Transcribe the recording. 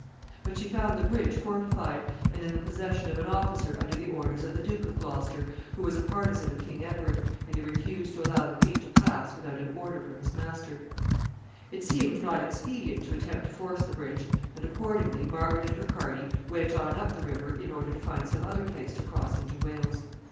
But she found the bridge fortified, and in the possession of an officer under the orders of the Duke of Gloucester, who was a partisan of King Edward, and he refused to allow the queen to pass without an order from his master. [Sidenote: Arrival of Edward.] It seemed not expedient to attempt to force the bridge, and, accordingly, Margaret and her party went on up the river in order to find some other place to cross into Wales.